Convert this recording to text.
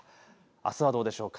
あすはどうでしょうか。